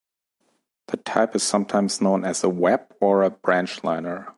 The type is sometimes known as a Webb or a Branchliner.